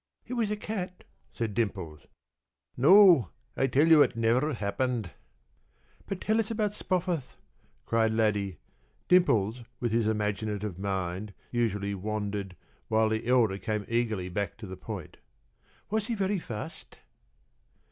p> "It was a cat," said Dimples. "No; I tell you it never happened." "But tell us about Spofforth," cried Laddie. Dimples, with his imaginative mind, usually wandered, while the elder came eagerly back to the point. "Was he very fast?"